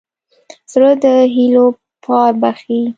زړه د هيلو پار بښي.